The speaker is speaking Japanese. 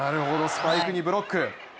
スパイクにブロック。